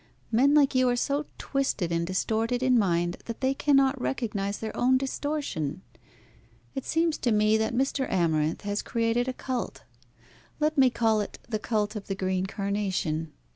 Men like you are so twisted and distorted in mind that they cannot recognise their own distortion. It seems to me that Mr. Amarinth has created a cult. Let me call it the cult of the green carnation.